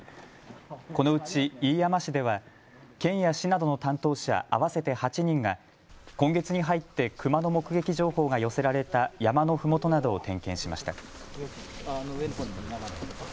このうち飯山市では県や市などの担当者合わせて８人が今月に入ってクマの目撃情報が寄せられた山のふもとなどを点検しました。